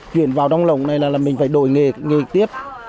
chuyển vào vùng lộng này là mình phải đổi nghề tiếp